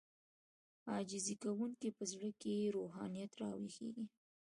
عاجزي کوونکی په زړه کې يې روحانيت راويښېږي.